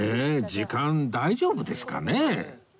時間大丈夫ですかね？